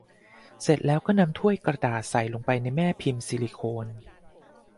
เสร็จแล้วก็นำถ้วยกระดาษใส่ลงไปในแม่พิมพ์ซิลิโคน